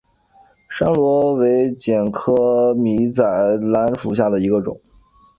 山椤为楝科米仔兰属下的一个种。